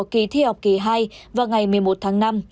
kỳ thi học kỳ hai vào ngày một mươi một tháng năm